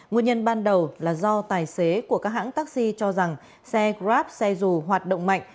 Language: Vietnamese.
nguyên nhân ban đầu là do tài xế của các hãng taxi cho rằng xe grab xe dù hoạt động mạnh